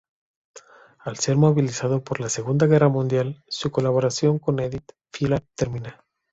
Al ser movilizado por la Segunda Guerra Mundial, su colaboración con Édith Piaf termina.